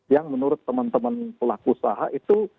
yang menurut teman teman pelaku usaha itu